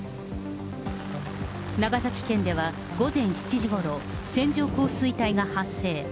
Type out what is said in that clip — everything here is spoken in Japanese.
長崎県では午前７時ごろ、線状降水帯が発生。